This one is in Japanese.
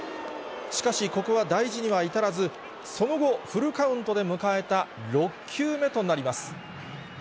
しかし、ここは大事には至らず、その後、フルカウントで迎えた６球目となります。